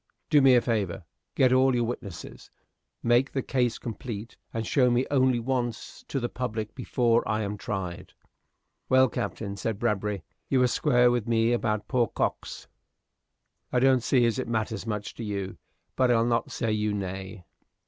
"Do me a favor. Get all your witnesses; make the case complete, and show me only once to the public before I am tried." "Well, Captain," said Bradbury, "you were square with me about poor Cox. I don't see as it matters much to you; but I'll not say you nay."